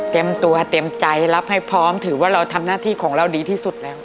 ตัวเต็มใจรับให้พร้อมถือว่าเราทำหน้าที่ของเราดีที่สุดแล้ว